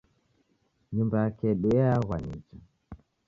Nyumba yakedu yeaghwa nicha